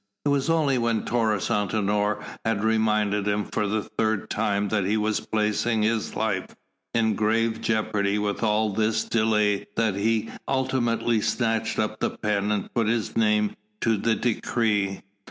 It was only when Taurus Antinor had reminded him for the third time that he was placing his life in grave jeopardy with all this delay that he ultimately snatched up the pen and put his name to the decree.